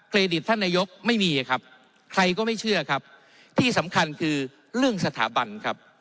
ดิตท่านนายกไม่มีครับใครก็ไม่เชื่อครับที่สำคัญคือเรื่องสถาบันครับ